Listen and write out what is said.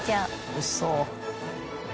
おいしそう！